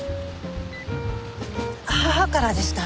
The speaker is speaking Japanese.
母からでした。